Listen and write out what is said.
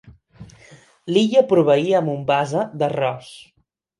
L'illa proveïa a Mombasa d'arròs.